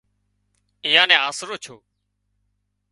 ايئان نو سهارو ٿو